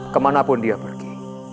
kemanapun dia pergi